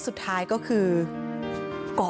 คุณผู้ชมค่ะคุณผู้ชมค่ะ